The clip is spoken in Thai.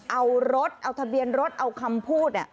เอารถเอาทะเบียนรถเอาคำพูด